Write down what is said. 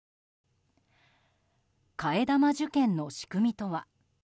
替え玉受験の仕組みとは。